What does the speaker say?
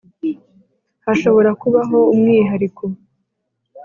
Hashobora kubaho umwihariko